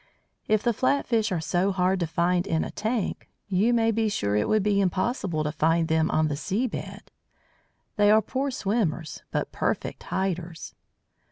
If the flat fish are so hard to find in a tank, you may be sure it would be impossible to find them on the sea bed. They are poor swimmers, but perfect hiders.